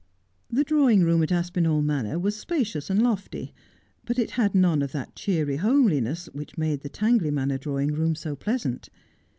The drawing room at Aspinall Manor was spacious and lofty ; but it had none of that cheery homeliness which made the Tangley Manor drawing room so pleasant.